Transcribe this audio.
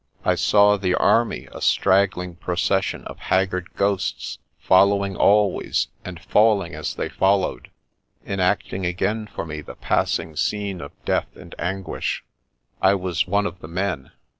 I saw the army, a straggling procession of haggard ghosts, following always, and falling as they followed, enacting again for me the passing scene of death and anguish. I was one of the men.